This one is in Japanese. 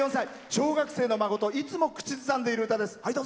小学生の孫といつも口ずさんでいる歌です。